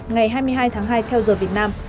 ngày hai mươi hai tháng hai theo giờ việt nam